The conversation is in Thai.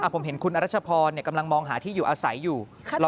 ผมเห็นคุณอรัชพรกำลังมองหาที่อยู่อาศัยอยู่